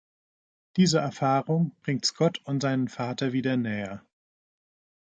Diese Erfahrung bringt Scott und seinen Vater wieder näher.